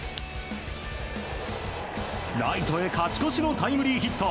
ライトへ勝ち越しのタイムリーヒット。